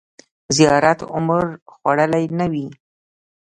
زیات عمر خوړلی نه وي.